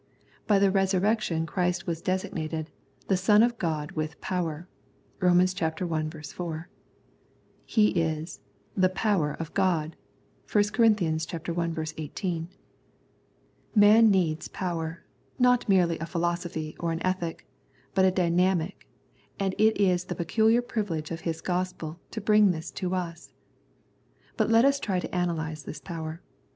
By the Resurrection Christ was designated " the Son of God with power " (Rom. i. 4). He is " the power of God " (i Cor. i. 18). Man needs power, not merely a philosophy or an ethic, but a dynamic, and it is the peculiar privilege of His Gospel to bring this to us. But let us try to analyse this power.